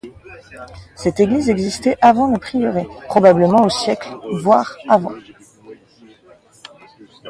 Cette église existait avant le prieuré probablement au siècle voire avant.